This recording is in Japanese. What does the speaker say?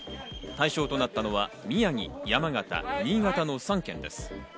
対象となったのは宮城、山形、新潟の３県です。